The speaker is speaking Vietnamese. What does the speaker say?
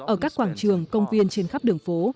ở các quảng trường công viên trên khắp đường phố